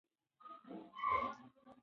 هغوی وایي چې تعلیم د ژوند اصلاح کوي.